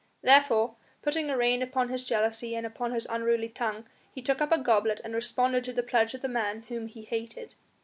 Therefore, putting a rein upon his jealousy and upon his unruly tongue, he took up a goblet and responded to the pledge of the man whom he hated.